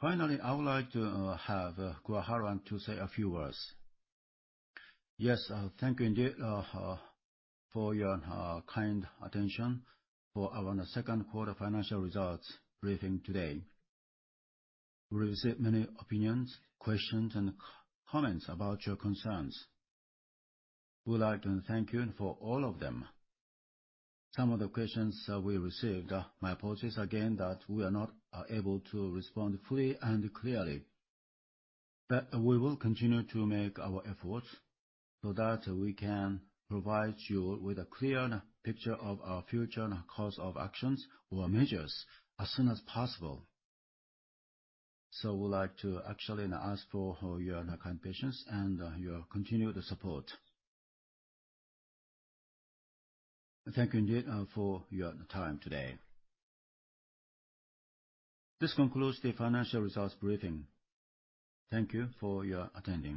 Finally, I would like to have Kuwahara to say a few words. Yes, thank you indeed for your kind attention for our second quarter financial results briefing today. We received many opinions, questions, and comments about your concerns. We would like to thank you for all of them. Some of the questions we received, my apologies again that we are not able to respond fully and clearly, but we will continue to make our efforts so that we can provide you with a clear picture of our future course of actions or measures as soon as possible. We'd like to actually ask for your kind patience and your continued support. Thank you indeed for your time today. This concludes the financial results briefing. Thank you for your attending.